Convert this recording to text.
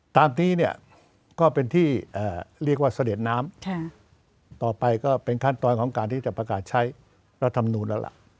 ตามนี้เนี่ยก็เป็นที่เรียกว่าเสด็จน้ำต่อไปก็เป็นขั้นตอนของการที่จะประกาศใช้รัฐธรรมนูลแล้วล่ะ